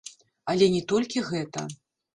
Але не толькі гэта.